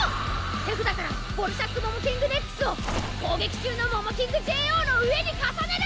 手札からボルシャック・モモキングＮＥＸを攻撃中のモモキングＪＯの上に重ねる！